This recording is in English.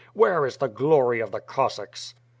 Where is the glory of the Cossacks?